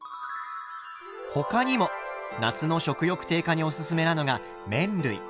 他にも夏の食欲低下におすすめなのが麺類。